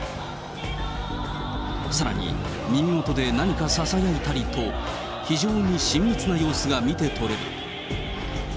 さらに耳元で何かささやいたりと、非常に親密な様子が見て取れる。